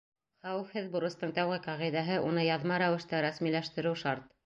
Хәүефһеҙ бурыстың тәүге ҡағиҙәһе — уны яҙма рәүештә рәсмиләштереү шарт.